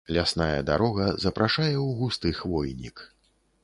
Лясная дарога запрашае ў густы хвойнік.